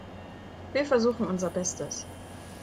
Wir versuchen unser Bestes.